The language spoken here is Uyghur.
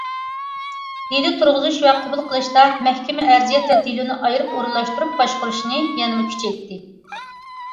دېلو تۇرغۇزۇش ۋە قوبۇل قىلىشتا، مەھكىمە، ئەرزىيەت ۋە دېلونى ئايرىپ ئورۇنلاشتۇرۇپ باشقۇرۇشنى يەنىمۇ كۈچەيتتى.